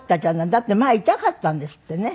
だって前痛かったんですってね。